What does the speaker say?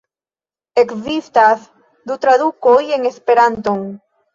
Ekzistas du tradukoj en Esperanton.